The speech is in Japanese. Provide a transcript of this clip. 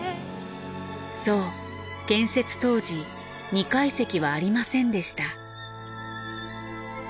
そう建設当時２階席はありませんでした。